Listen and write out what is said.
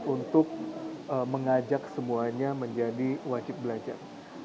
untuk mengajak semuanya menjadi wajib belajar